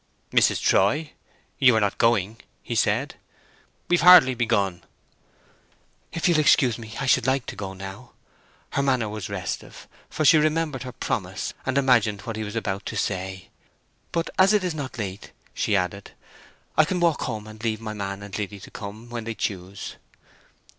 "Mrs. Troy—you are not going?" he said. "We've hardly begun!" "If you'll excuse me, I should like to go now." Her manner was restive, for she remembered her promise, and imagined what he was about to say. "But as it is not late," she added, "I can walk home, and leave my man and Liddy to come when they choose."